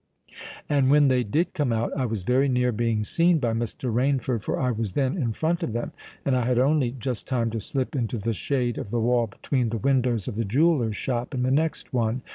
"And when they did come out, I was very near being seen by Mr. Rainford—for I was then in front of them; and I had only just time to slip into the shade of the wall between the windows of the jeweller's shop and the next one.